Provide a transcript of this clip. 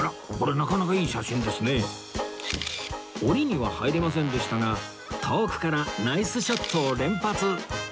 檻には入れませんでしたが遠くからナイスショットを連発